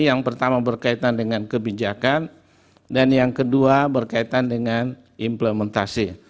yang pertama berkaitan dengan kebijakan dan yang kedua berkaitan dengan implementasi